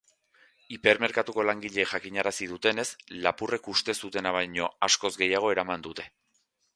Hipermerkatuko langileek jakinarazi dutenez, lapurrek uste zutena baino askoz gehiago eraman dute.